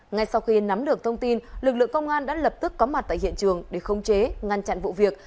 ngay sau khi nắm được thông tin lực lượng công an đã lập tức có mặt tại hiện trường để khống chế ngăn chặn vụ việc